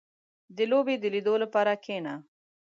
• د لوبې د لیدو لپاره کښېنه.